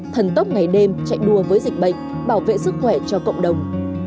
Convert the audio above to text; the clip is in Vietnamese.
thần tốc ngày đêm chạy đua với dịch bệnh bảo vệ sức khỏe cho cộng đồng